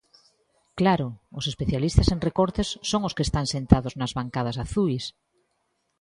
Claro, os especialistas en recortes son os que están sentados nas bancadas azuis.